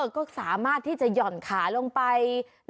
ก็สามารถที่จะหย่อนขาลงไป